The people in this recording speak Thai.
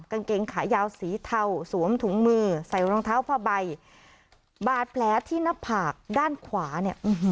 กางเกงขายาวสีเทาสวมถุงมือใส่รองเท้าผ้าใบบาดแผลที่หน้าผากด้านขวาเนี่ย